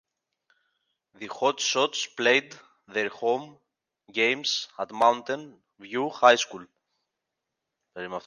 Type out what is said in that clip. The Hotshots played their home games at Mountain View High School.